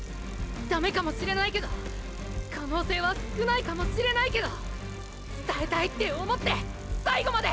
ダメかもしれないけど可能性は少ないかもしれないけど“伝えたい”って思って最後まで！！